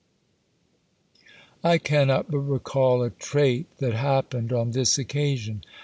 I cannot but recall a trait that happened on this occasion.